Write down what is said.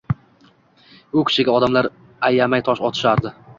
U kishiga odamlar ayamay tosh otishardi.